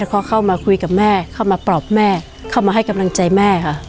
เขาเข้ามาคุยกับแม่เข้ามาปลอบแม่เข้ามาให้กำลังใจแม่ค่ะ